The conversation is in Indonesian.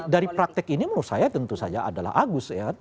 dari praktik ini menurut saya tentu saja adalah agus